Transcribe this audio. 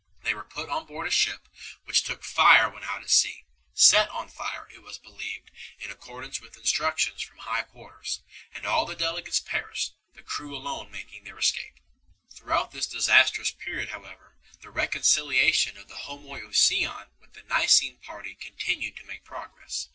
They were put on board a ship, which took fire when out at sea set on fire, it was believed, in ac cordance with instructions from high quarters and all the I delegates perished, the crew alone making their escape 3 . Throughout this disastrous period however the recon j ciliation of the Homoiousian with the Nicene party con i tinued to make progress.